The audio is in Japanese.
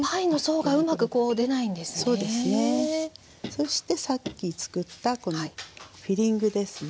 そしてさっきつくったこのフィリングですね。